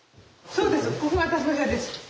そうです